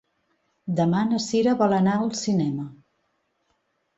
Demà na Cira vol anar al cinema.